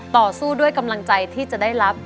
ต่อสู้ด้วยกำลังใจที่จะได้รับ